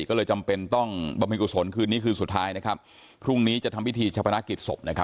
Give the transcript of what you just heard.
ก็เลยจำเป็นต้องบำเพ็ญกุศลคืนนี้คืนสุดท้ายนะครับพรุ่งนี้จะทำพิธีชะพนักกิจศพนะครับ